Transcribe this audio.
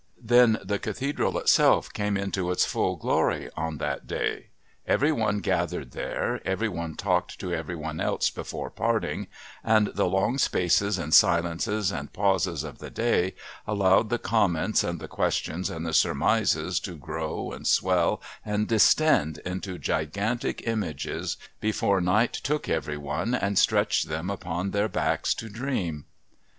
Then the Cathedral itself came into its full glory on that day. Every one gathered there, every one talked to every one else before parting, and the long spaces and silences and pauses of the day allowed the comments and the questions and the surmises to grow and swell and distend into gigantic images before night took every one and stretched them upon their backs to dream.